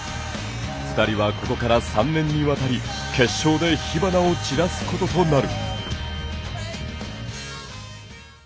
２人はここから３年にわたり決勝で火花を散らすこととなる。